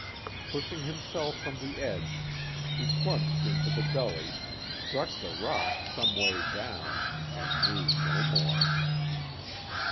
Pushing himself from the edge, he plunged into the gully, struck the rock some way down, and knew no more.